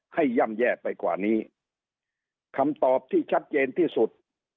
ย่ำแย่ไปกว่านี้คำตอบที่ชัดเจนที่สุด